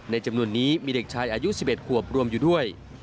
จำนวนนี้มีเด็กชายอายุ๑๑ขวบรวมอยู่ด้วย